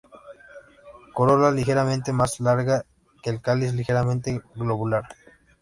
Corola ligeramente más larga que el cáliz, ligeramente globular.